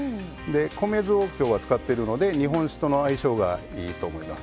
米酢を今日は使っているので日本酒との相性がいいと思います。